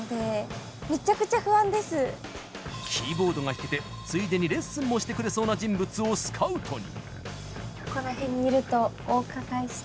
キーボードが弾けて、ついでにレッスンもしてくれそうな人物をスカウトに。